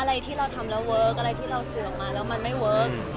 อะไรที่เราทำแล้วเวิร์คอะไรที่เราสื่อออกมาแล้วมันไม่เวิร์ค